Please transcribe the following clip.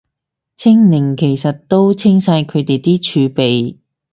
清零其實都清晒佢哋啲儲備